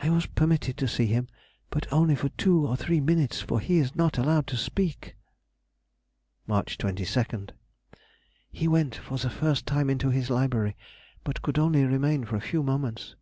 _—I was permitted to see him, but only for two or three minutes, for he is not allowed to speak. Mar. 22nd.—He went for the first time into his library, but could only remain for a few moments.